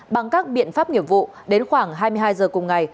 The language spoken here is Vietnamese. bằng các biện pháp nghiệp vụ đến khoảng hai mươi hai giờ cùng ngày